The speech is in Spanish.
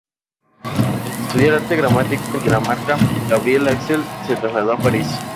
Tras estudiar arte dramático en Dinamarca, Gabriel Axel se trasladó a París.